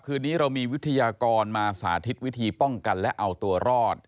คืนนี้เรามีวิทยากรมาสาธิตวิธีป้องกันและเอาตัวรอด